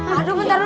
aduh bentar dulu